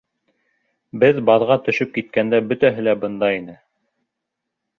Беҙ баҙға төшөп киткәндә бөтәһе лә бында ине.